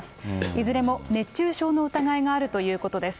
いずれも熱中症の疑いがあるということです。